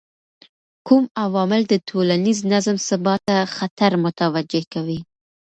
کوم عوامل د ټولنیز نظم ثبات ته خطر متوجه کوي؟